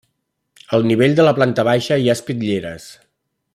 Al nivell de la planta baixa hi ha espitlleres.